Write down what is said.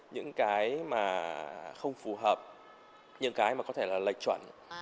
những cái mà không phù hợp những cái mà có thể là lệch chuẩn